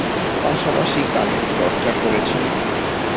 পাশাপাশি গানের চর্চা করেছেন।